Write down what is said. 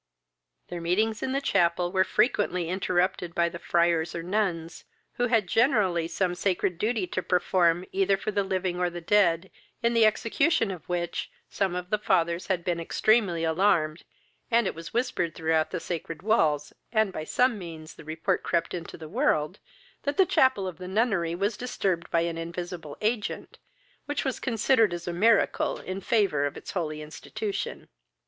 Their meetings in the chapel were frequently interrupted by the friars or nuns, who had generally some sacred duty to perform either for the living or the dead, in the execution of which some of the fathers had been extremely alarmed, and it was whispered throughout the sacred walls, and by some means the report crept into the world, that the chapel of the nunnery was disturbed by an invisible agent, which was considered as a miracle in favour of its holy institution.